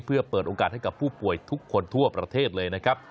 เพื่อเปิดโอกาสให้กับผู้ป่วยทุกคนทั่วประเทศเลยนะครับ